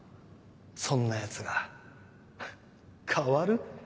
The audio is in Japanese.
そんなヤツが変わる？